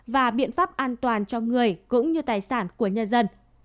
và biện pháp an toàn cho người cũng như tài sản của nhân dân